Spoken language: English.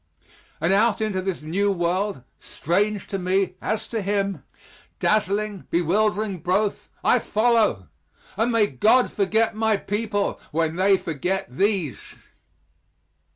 And out into this new world strange to me as to him, dazzling, bewildering both I follow! And may God forget my people when they forget these!